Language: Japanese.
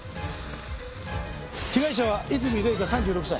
被害者は和泉礼香３６歳。